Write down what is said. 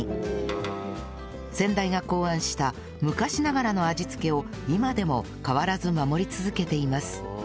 先代が考案した昔ながらの味付けを今でも変わらず守り続けています